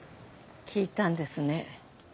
聞いたんですね